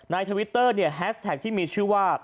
ในทวิตเตอร์แฮชแท็กฯที่มีชื่อว่า